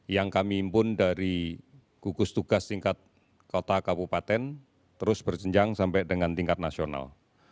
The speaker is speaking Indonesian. yang kami impun dari gugus tugas tingkat kota kabupaten terus berjenjang sampai dengan tingkat nasional